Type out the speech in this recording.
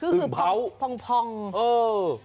อึ่งเผาพองเออ